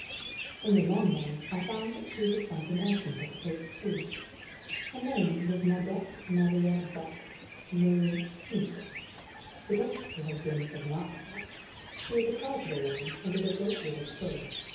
In the long run, I found that she was something else in petticoats too. Her name was Modeste Maria Beck, née Kint: it ought to have been Ignacia. She was a charitable woman, and did a great deal of good.